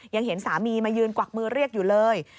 ยังเห็นสามีมายืนกวักมือเรียกอยู่เลย